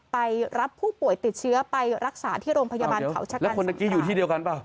ไปรับผู้ป่วยติดเชื้อไปรักษาที่โรงพยาบาลเขาชะกันแล้วคนเมื่อกี้อยู่ที่เดียวกันเปล่า